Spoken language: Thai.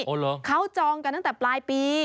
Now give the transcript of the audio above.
โอ้เหรอเค้าจองกันตั้งแต่ปลายปี